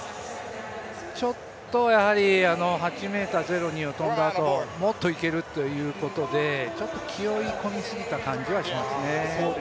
ちょっと８ｍ０２を跳んだあと、もっといけるということでちょっと気負い込みすぎた感じはしますね。